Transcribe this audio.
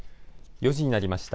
４時になりました。